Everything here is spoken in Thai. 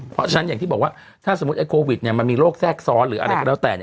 เพราะฉะนั้นอย่างที่บอกว่าถ้าสมมุติไอโควิดมันมีโรคแทรกซ้อนหรืออะไรก็แล้วแต่